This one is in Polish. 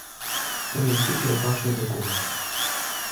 To niezwykle ważny dokument